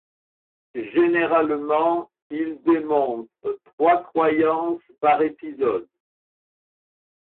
Généralement, il démontre trois croyances par épisodes.